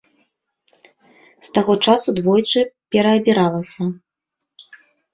З таго часу двойчы пераабіралася.